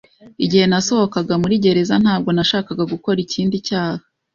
Igihe nasohokaga muri gereza, ntabwo nashakaga gukora ikindi cyaha.